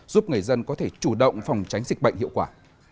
giúp người dân có thể chủ động phòng tránh dịch bệnh hiệu quả